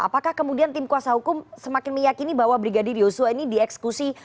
apakah kemudian tim kuasa hukum semakin meyakini bahwa brigadir yosua ini dieksekusi